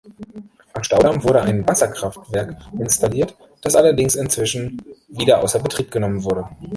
Am Staudamm wurde ein Wasserkraftwerk installiert, das allerdings inzwischen wieder außer Betrieb genommen wurde.